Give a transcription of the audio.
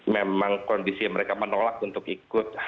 memang kondisi mereka menolak untuk ikut